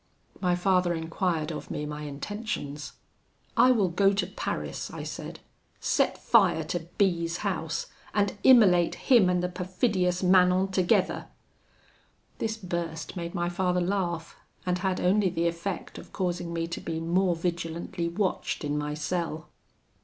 My father enquired of me my intentions: 'I will go to Paris,' I said, 'set fire to B 's house, and immolate him and the perfidious Manon together.' This burst made my father laugh, and had only the effect of causing me to be more vigilantly watched in my cell.